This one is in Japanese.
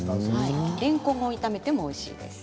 れんこんを炒めてもおいしいです。